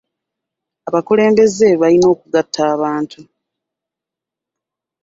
Abakulembeze balina okugatta abantu.